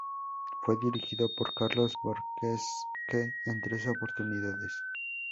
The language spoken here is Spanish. Fue dirigido por Carlos Borcosque en tres oportunidades.